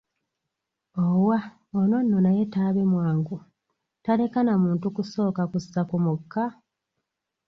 Owa ono nno naye taabe mwangu, taleka na muntu kusooka kussa ku mukka!